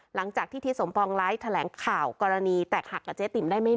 หลังจากที่ทิศสมปองไลฟ์แถลงข่าวกรณีแตกหักกับเจ๊ติ๋มได้ไม่นาน